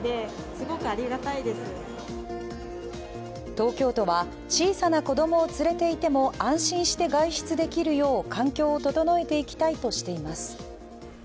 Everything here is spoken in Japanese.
東京都は、小さな子供を連れていても安心して外出できるよう環境を整えてきたいとしています。